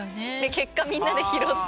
結果みんなで拾って。